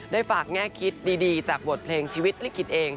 ฝากแง่คิดดีจากบทเพลงชีวิตลิขิตเอง